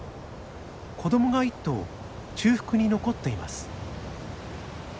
子どもが１頭中腹に残っています。